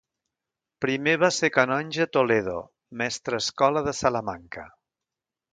Primer va ser canonge a Toledo, mestrescola de Salamanca.